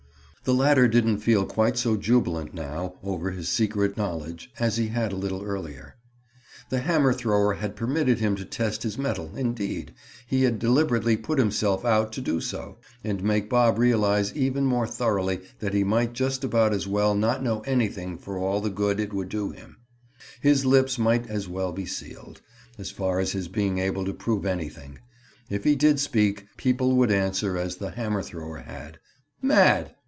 The latter didn't feel quite so jubilant now over his secret knowledge as he had a little earlier. The hammer thrower had permitted him to test his mettle—indeed, he had deliberately put himself out to do so, and make Bob realize even more thoroughly that he might just about as well not know anything for all the good it would do him (Bob). His lips might as well be sealed, as far as his being able to prove anything; if he did speak, people would answer as the hammer thrower had. "Mad!"